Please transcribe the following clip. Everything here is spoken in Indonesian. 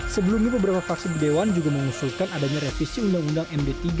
sebelumnya beberapa fraksi berdewan juga mengusulkan adanya revisi undang undang md tiga